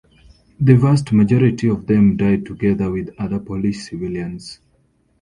The vast majority of them died together with other Polish civilians.